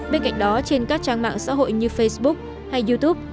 bên cạnh đó trên các trang mạng xã hội như facebook hay youtube